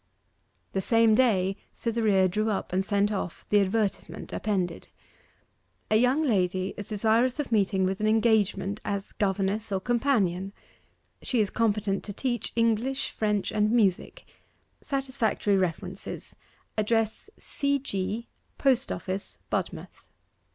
The same day Cytherea drew up and sent off the advertisement appended: 'A YOUNG LADY is desirous of meeting with an engagement as governess or companion. She is competent to teach English, French, and Music. Satisfactory references Address, C. G., Post Office, Budmouth.